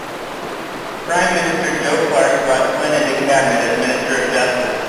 Prime Minister Joe Clark brought Flynn into Cabinet as Minister of Justice.